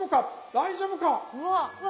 大丈夫か。